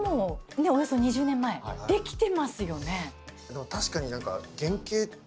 ねえおよそ２０年前出来てますよね？